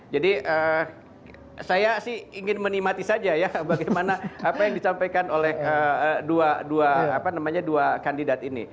jadi saya sih ingin menikmati saja ya bagaimana apa yang disampaikan oleh dua kandidat ini